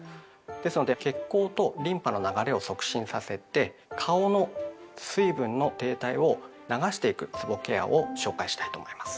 ですので血行とリンパの流れを促進させて顔の水分の停滞を流していくつぼケアを紹介したいと思います。